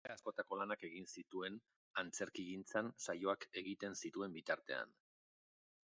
Era askotako lanak egin zituen antzerkigintzan saioak egiten zituen bitartean.